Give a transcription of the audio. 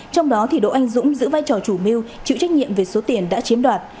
trong đó đỗ anh dũng giữ vai trò chủ mưu chịu trách nhiệm về số tiền đã chiếm đoạt